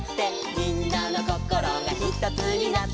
「みんなのこころがひとつになって」